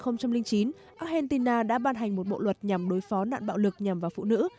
năm hai nghìn chín argentina đã ban hành một bộ luật nhằm đối phó nạn bạo lực nhằm vào phụ nữ